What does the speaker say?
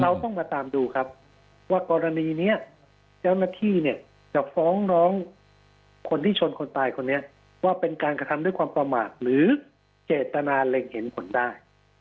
เราต้องมาตามดูครับว่ากรณีนี้เจ้าหน้าที่เนี่ยจะฟ้องร้องคนที่ชนคนตายคนนี้ว่าเป็นการกระทำด้วยความประมาทหรือเจตนาเล็งเห็นผลได้